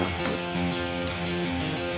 beraninya dia makin takut